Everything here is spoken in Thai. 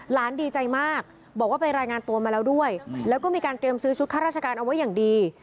ดีใจมากบอกว่าไปรายงานตัวมาแล้วด้วยแล้วก็มีการเตรียมซื้อชุดข้าราชการเอาไว้อย่างดี